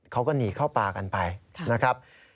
เขาก็หนีเข้าป่ากันไปนะครับ